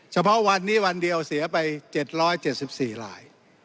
เฉพาะวันนี้วันเดียวเสียไป๗๗๔ลาย